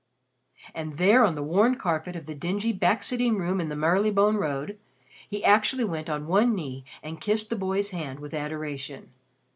And there on the worn carpet of the dingy back sitting room in the Marylebone Road, he actually went on one knee and kissed the boy's hand with adoration.